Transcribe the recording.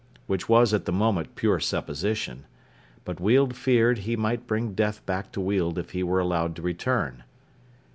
Which was at the moment pure supposition. But Weald feared he might bring death back to Weald if he were allowed to return.